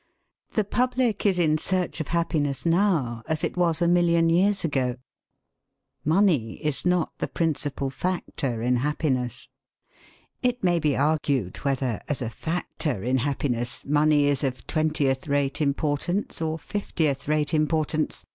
The public is in search of happiness now, as it was a million years ago. Money is not the principal factor in happiness. It may be argued whether, as a factor in happiness, money is of twentieth rate importance or fiftieth rate importance.